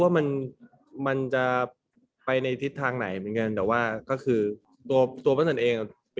ว่ามันมันจะไปในทิศทางไหนแต่ว่าก็คือตัวตัวปั้นตันเองปี